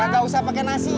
kagak usah pake nasi